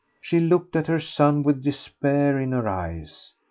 She looked at her son with despair in her eyes.